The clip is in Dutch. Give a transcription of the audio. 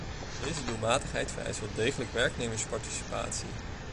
Deze doelmatigheid vereist wel degelijk werknemersparticipatie.